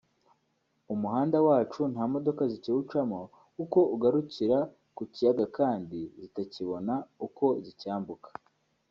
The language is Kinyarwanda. umuhanda wacu nta modoka zikiwucamo kuko ugarukira ku kiyaga kandi zitakibona uko zicyambuka